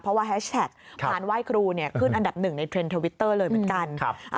เพราะว่าแฮชแท็กพานไหว้ครูขึ้นอันดับหนึ่งในเทรนด์ทวิตเตอร์เลยเหมือนกัน